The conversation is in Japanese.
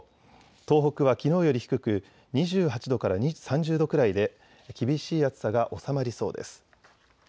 東北はきのうより低く２８度から３０度くらいで厳しい暑さが収まりそうです。